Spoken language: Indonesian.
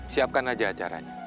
siapkan saja acaranya